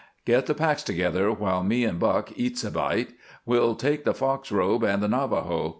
"Get the packs together while me and Buck eats a bite. We'll take the fox robe and the Navajo.